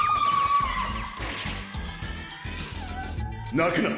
泣くな。